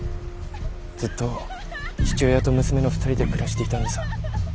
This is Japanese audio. ずっと父親と娘の２人で暮らしていたんでさ。